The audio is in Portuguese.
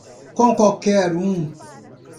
Com qualquer um